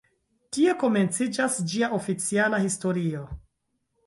Tie komenciĝas ĝia oficiala historio.